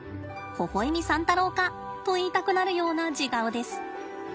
「ほほ笑み三太郎か」と言いたくなるような地顔です。